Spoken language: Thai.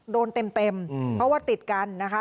โดนเต็มเพราะว่าติดกันนะคะ